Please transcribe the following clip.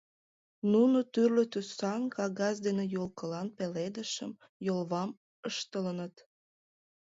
Нуно тӱрлӧ тӱсан кагаз дене ёлкылан пеледышым, йолвам ыштылыныт.